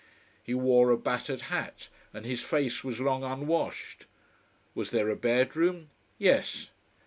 He wore a battered hat and his face was long unwashed. Was there a bedroom? Yes.